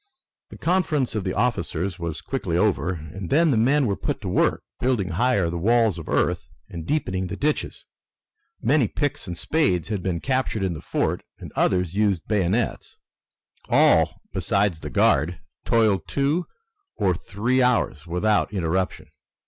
The conference of the officers was quickly over, and then the men were put to work building higher the walls of earth and deepening the ditches. Many picks and spades had been captured in the fort, and others used bayonets. All, besides the guard, toiled hard two or three hours without interruption.